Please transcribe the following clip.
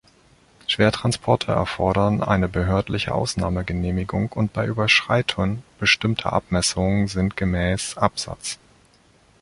Schwertransporte erfordern eine behördliche Ausnahmegenehmigung und bei Überschreiten bestimmter Abmessungen sind gemäß Absatz.